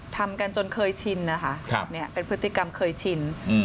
ทำกันจนเคยชินนะคะเป็นพฤติกรรมเคยชิน